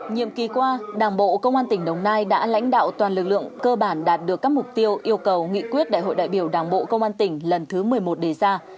nhiệm kỳ qua đảng bộ công an tỉnh đồng nai đã lãnh đạo toàn lực lượng cơ bản đạt được các mục tiêu yêu cầu nghị quyết đại hội đại biểu đảng bộ công an tỉnh lần thứ một mươi một đề ra